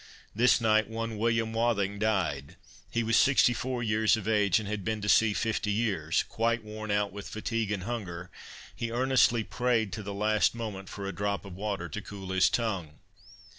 This night one William Wathing died; he was 64 years of age, and had been to sea 50 years; quite worn out with fatigue and hunger, he earnestly prayed, to the last moment, for a drop of water to cool his tongue.